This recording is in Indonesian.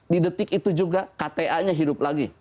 di detik itu juga kta nya hidup lagi